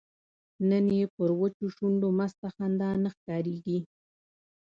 نن یې پر وچو شونډو مسته خندا نه ښکاریږي